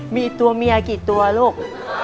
มีตัวเมียกี่ตัวลูก